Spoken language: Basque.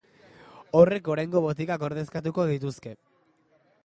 Horrek oraingo botikak ordezkatuko lituzke.